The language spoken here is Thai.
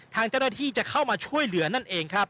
ทางเจ้าหน้าที่จะเข้ามาช่วยเหลือนั่นเองครับ